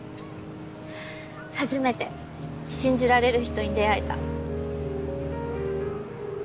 初めて信じられる人に出会えた。